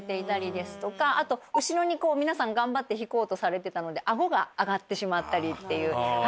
あと後ろに皆さん頑張って引こうとされてたので顎が上がってしまったりっていう。